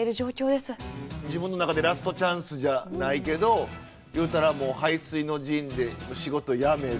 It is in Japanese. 自分の中でラストチャンスじゃないけど言うたらもう背水の陣で仕事辞めて。